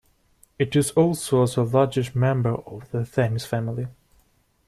It is also the largest member of the Themis family.